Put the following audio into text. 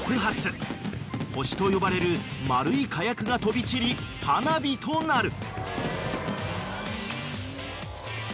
［星と呼ばれる丸い火薬が飛び散り花火となる］